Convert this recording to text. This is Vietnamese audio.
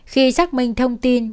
khi xác minh thông tin